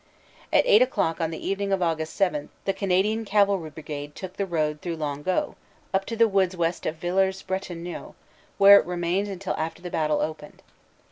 At eight o clock in the evening of Aug. 7 the Canadian Cavalry Brigade took the road through Longeau up to the woods west of Villers Bretonneux, where it remained until after the battle opened.